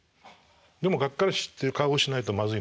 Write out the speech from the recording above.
でもがっかりした顔をしないとまずいので。